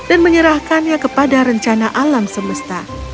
dan menyerahkannya kepada rencana alam semesta